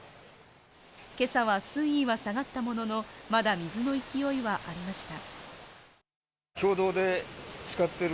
今朝は水位は下がったもののまだ水の勢いはありました。